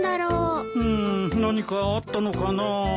うん何かあったのかなあ。